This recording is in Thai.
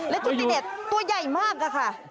แล้วชุตติเดทตัวใหญ่มากอะค่ะ